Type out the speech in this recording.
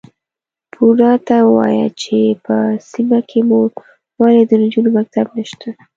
_بوډا ته ووايه چې په سيمه کې مو ولې د نجونو مکتب نشته؟